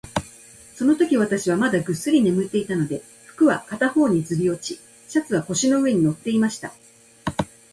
そのとき、私はまだぐっすり眠っていたので、服は片方にずり落ち、シャツは腰の上に載っていました。